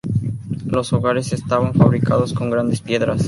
Los hogares estaban fabricados con grandes piedras.